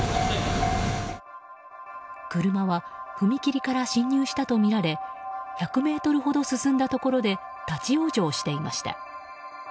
車は踏切から進入したとみられ１００ｍほど進んだところで立ち往生していました。